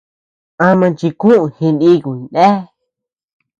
Ama chikuʼu jinikuy ndéa.